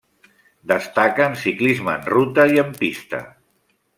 Destaca en ciclisme en ruta i en pista.